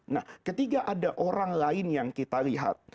nah ketika ada orang lain yang kita lihat